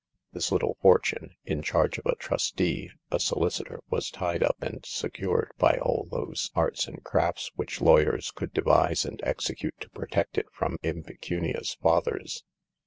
This little for tune, in charge of a trustee, a solicitor, was tied up and secured by all those arts and crafts which lawyers could devise and execute to protect it from impecunious fathers.